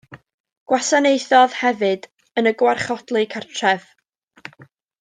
Gwasanaethodd hefyd yn y Gwarchodlu Cartref.